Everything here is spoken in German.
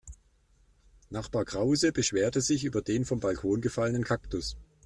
Nachbar Krause beschwerte sich über den vom Balkon gefallenen Kaktus.